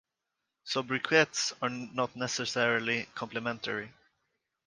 Sobriquets are not necessarily complimentary.